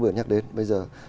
vừa nhắc đến bây giờ